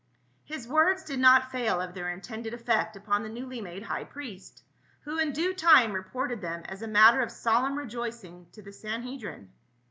His words did not fail of their intended cflfcct upon the newly made high priest, who in due time reported them as a matter of solemn rejoicing to the Sanhe drim.